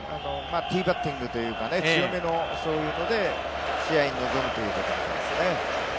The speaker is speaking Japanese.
ティーバッティングというか強めのそういうので試合に臨むということのようですね。